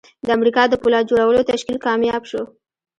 د امریکا د پولاد جوړولو تشکیل کامیاب شو